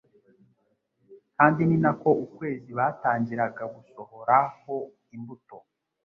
kandi ni nako ukwezi batangiraga gusohoraho imbuto